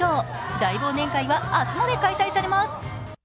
大忘年会は明日まで開催されます。